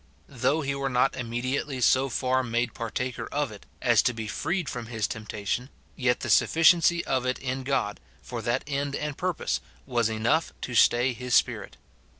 Though he were not immediately so far made partaker of it as to be freed from his temptation, yet the sufficiency of it in God, for that end and pur pose, was enough to stay his spirit.